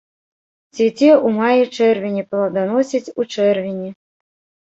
Цвіце ў маі-чэрвені, пладаносіць у чэрвені.